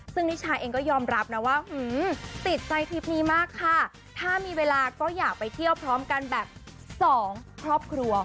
ซึ่งนิชาเองก็ยอมรับนะว่าติดใจทริปนี้มากค่ะถ้ามีเวลาก็อยากไปเที่ยวพร้อมกันแบบสองครอบครัว